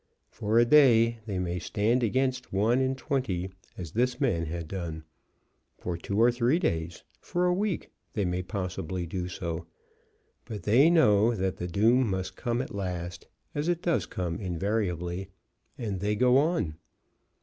For a day they may stand against one in twenty, as this man had done. For two or three days, for a week, they may possibly do so; but they know that the doom must come at last, as it does come invariably, and they go on.